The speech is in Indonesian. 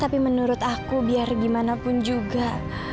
tapi menurut aku biar gimana pun juga